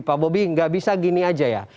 pak bobi nggak bisa gini aja ya